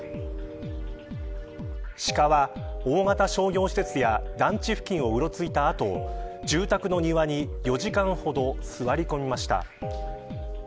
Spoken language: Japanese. シカは、大型商業施設や団地付近をうろついた後住宅の庭に４時間ほど座り込みました。